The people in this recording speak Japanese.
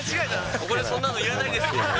ここでそんなのいらないです